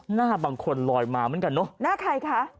หน้าบางคนลอยมาเหมือนกันเนอะหน้าใครคะ